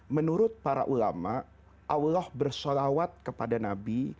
menurut para ulama allah bersalawat kepada nabi